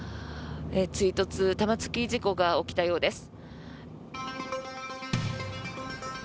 追突玉突き事故が起きたようです。